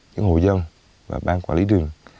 những hồ dân và ban quản lý rừng